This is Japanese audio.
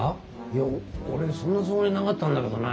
いや俺そんなつもりなかったんだけどね。